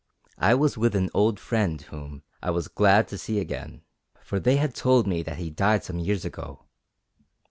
I was with an old friend whom I was glad to see again, for they had told me that he died some years ago.